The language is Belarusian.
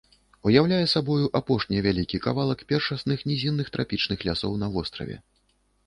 Уяўляе сабою апошні вялікі кавалак першасных нізінных трапічных лясоў на востраве.